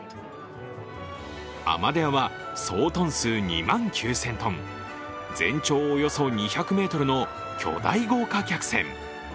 「アマデア」は総トン数２万９０００ｔ、全長およそ２００ｍの巨大豪華客船。